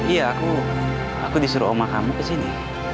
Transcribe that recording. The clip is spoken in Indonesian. iya aku aku disuruh oma kamu kesini